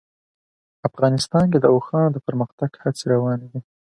افغانستان کې د اوښانو د پرمختګ هڅې روانې دي.